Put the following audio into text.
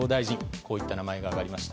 こういった名前が挙がりました。